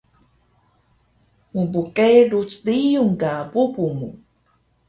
Mbqerus riyung ka bubu mu